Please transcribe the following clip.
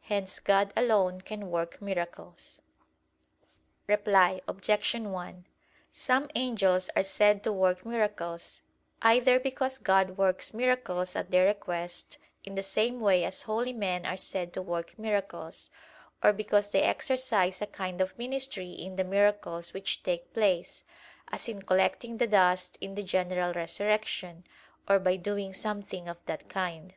Hence God alone can work miracles. Reply Obj. 1: Some angels are said to work miracles; either because God works miracles at their request, in the same way as holy men are said to work miracles; or because they exercise a kind of ministry in the miracles which take place; as in collecting the dust in the general resurrection, or by doing something of that kind.